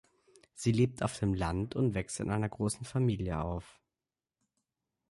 Sie lebt auf dem Land und wächst in einer großen Familie auf.